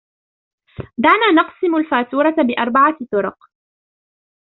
دعنا نقسم الفاتورة بأربعة طرق.